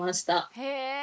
へえ！